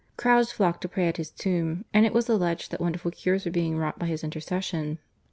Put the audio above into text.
Crowds flocked to pray at his tomb, and it was alleged that wonderful cures were being wrought by his intercession.